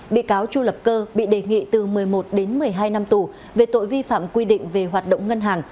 bị cáo chu lập cơ bị đề nghị từ một mươi một đến một mươi hai năm tù về tội vi phạm quy định về hoạt động ngân hàng